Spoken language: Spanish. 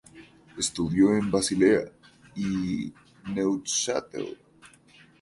Estudió en Basilea y Neuchâtel.